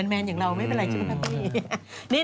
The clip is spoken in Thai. แมนอย่างเราไม่เป็นไรใช่ไหมพี่